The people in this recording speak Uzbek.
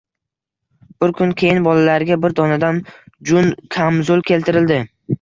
Bir kun keyin bolalariga bir donadan jun kamzul keltirildi.